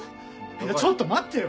ちょっと待ってよ！